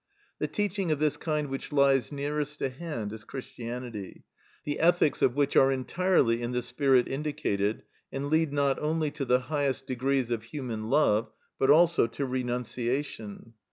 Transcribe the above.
The teaching of this kind which lies nearest to hand is Christianity, the ethics of which are entirely in the spirit indicated, and lead not only to the highest degrees of human love, but also to renunciation.